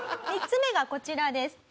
３つ目がこちらです。